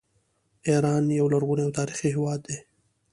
ایران یو لرغونی او تاریخي هیواد دی.